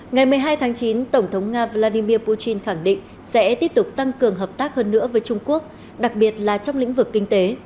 ngày một mươi hai tháng chín tổng thống nga vladimir putin khẳng định sẽ tiếp tục tăng cường hợp tác hơn nữa với trung quốc đặc biệt là trong lĩnh vực kinh tế